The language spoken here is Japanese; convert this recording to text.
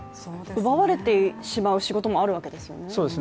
奪われてしまう仕事もあるわけですよね。